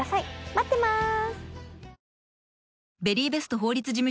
待ってます。